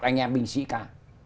anh em binh sĩ ca